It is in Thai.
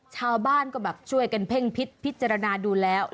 ชาวบ้านก็แบบช่วยกันเพ่งพิษพิจารณาดูแล้ว